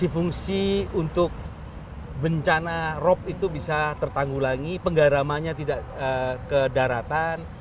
fungsi untuk bencana rob itu bisa tertanggulangi penggaramannya tidak ke daratan